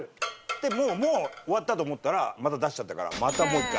でもう終わったと思ったらまた出しちゃったからまたもう一回。